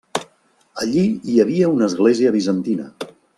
Allí hi havia una església bizantina.